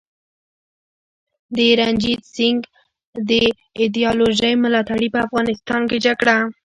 د رنجیت سینګ د ایډیالوژۍ ملاتړي په افغانستان کي جګړه